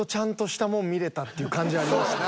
っていう感じありましたね。